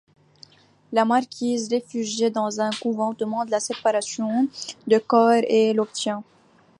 La marquise, réfugiée dans un couvent, demande la séparation de corps et l’obtient.